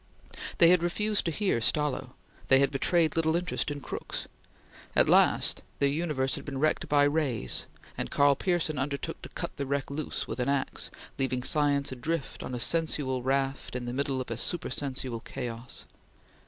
They had refused to hear Stallo. They had betrayed little interest in Crookes. At last their universe had been wrecked by rays, and Karl Pearson undertook to cut the wreck loose with an axe, leaving science adrift on a sensual raft in the midst of a supersensual chaos.